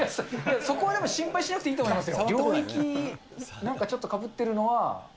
そこはでも、心配しなくていいと思いますよ。